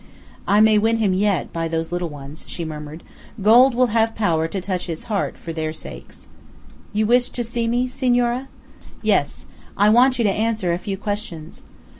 "I may win him yet by those little ones," she murmured; "gold will have power to touch his heart for their sakes." "You wished to see me, senora?" "Yes. I want you to answer a few questions.